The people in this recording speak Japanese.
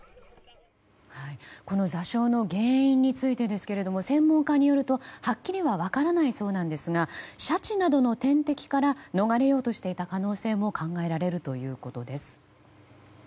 座礁の原因についてですが専門家によるとはっきりは分からないそうですがシャチなどの天敵から逃れようとしていた可能性も考えられるということです。